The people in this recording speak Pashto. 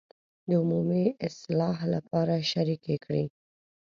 د عمومي اصلاح لپاره شریکې کړي.